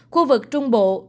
khu vực trung bộ